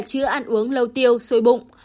chữa ăn uống lâu tiêu sôi bụng